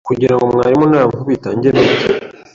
kugirango mwarimu nankubita njye mpita